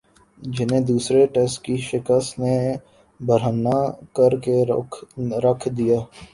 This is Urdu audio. جنہیں دوسرے ٹیسٹ کی شکست نے برہنہ کر کے رکھ دیا